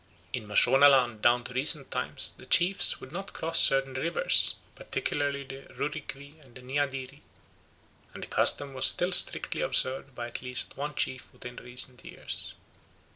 In Mashonaland down to recent times the chiefs would not cross certain rivers, particularly the Rurikwi and the Nyadiri; and the custom was still strictly observed by at least one chief within recent years.